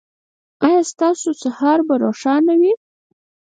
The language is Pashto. ایا ستاسو سهار به روښانه وي؟